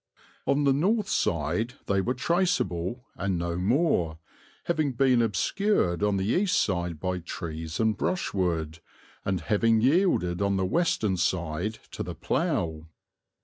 On the north side they were traceable, and no more, having been obscured on the east side by trees and brushwood, and having yielded on the western side to the plough.